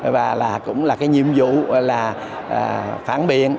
và cũng là cái nhiệm vụ là phản biện